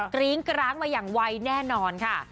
กริ้งกร้างมาอย่างไวแน่นอนค่ะ